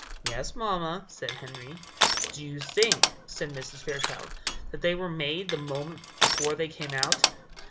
"Yes, mamma," said Henry. "Do you think," said Mrs. Fairchild, "that they were made the moment before they came out?"